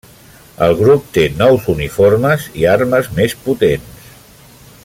El grup té nous uniformes i armes més potents.